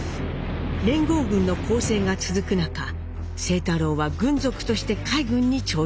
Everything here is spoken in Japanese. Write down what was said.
連合軍の攻勢が続く中清太郎は軍属として海軍に徴用されます。